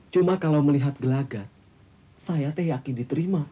cuma kalau melihat gelagat saya teh yakin diterima